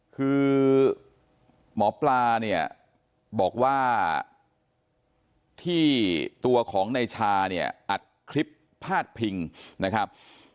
คือหมอปลาเนี่ยบอกว่าที่ตัวของนายชาเนี่ยอัดคลิปพาดพิงนะครับ